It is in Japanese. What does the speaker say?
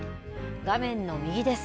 画面の右です。